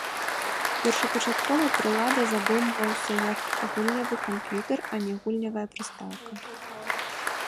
Першапачаткова прылада задумваўся як гульнявы камп'ютар, а не гульнявая прыстаўка.